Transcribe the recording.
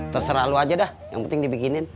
terserah lu aja dah yang penting dibikinin